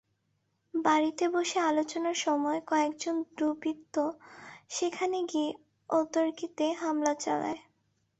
বাড়িতে বসে আলোচনার সময় কয়েকজন দুর্বৃত্ত সেখানে গিয়ে অতর্কিতে হামলা চালায়।